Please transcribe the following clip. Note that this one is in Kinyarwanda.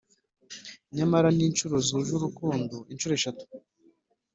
nyamara ni inshuro zuje urukundo inshuro eshatu